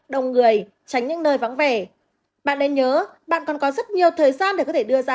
đông người tránh những nơi vắng vẻ bạn nên nhớ bạn còn có rất nhiều thời gian để có thể đưa ra